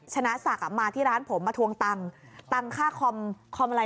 ชนะศักดิ์มาที่ร้านผมมาทวงตังค์ตังค์ค่าคอมคอมอะไร